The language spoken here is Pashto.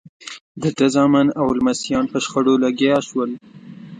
د ده زامن او لمسیان په شخړو لګیا شول.